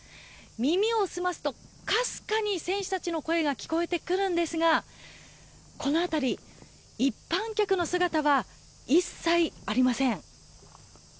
耳を澄ますとかすかに選手たちの声が聞こえてくるんですがこの辺り一般客の姿は一切ありません。